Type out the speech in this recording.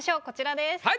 こちらです。